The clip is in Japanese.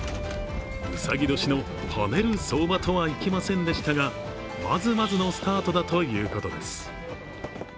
うさぎ年の跳ねる相場とはいきませんでしたがまずまずのスタートだということです。